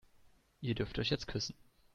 Ihr dürft euch jetzt küssen.